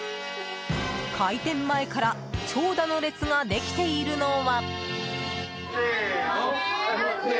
開店前から長蛇の列ができているのは。